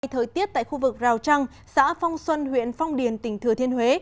thời tiết tại khu vực rào trăng xã phong xuân huyện phong điền tỉnh thừa thiên huế